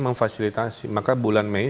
memfasilitasi maka bulan mei